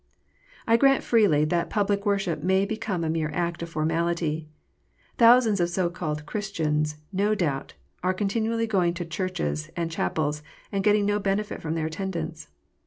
I grant freely that public worship may become a mere act of formality. Thousands of so called Christians, no doubt, arc continually going to churches and chapels, and getting no benefit from their attendance.